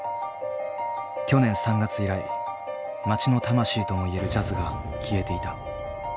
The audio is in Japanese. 去年３月以来街の魂とも言えるジャズが消えていた。